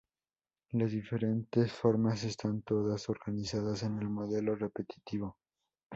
Las diferentes formas están todas organizadas en un modelo repetitivo.